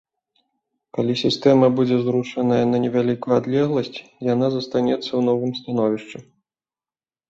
Калі сістэма будзе зрушаная на невялікую адлегласць, яна застанецца ў новым становішчы.